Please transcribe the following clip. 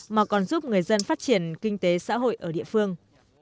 mà còn giúp người dân phát triển kinh tế xã hội ở địa phương